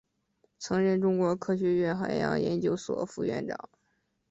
曾任中国科学院海洋研究所副所长。